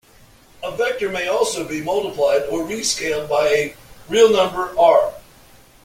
A vector may also be multiplied, or re-"scaled", by a real number "r".